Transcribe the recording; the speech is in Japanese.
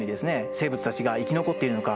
生物たちが生き残っているのか。